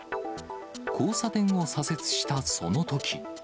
交差点を左折したそのとき。